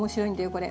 これ。